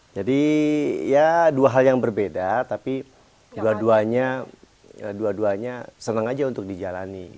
jadi ya dua hal yang berbeda tapi dua duanya senang aja untuk dijalani